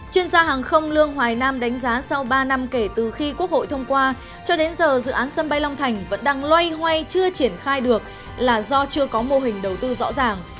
chuyên gia hàng không lương hoài nam đánh giá sau ba năm kể từ khi quốc hội thông qua cho đến giờ dự án sân bay long thành vẫn đang loay hoay chưa triển khai được là do chưa có mô hình đầu tư rõ ràng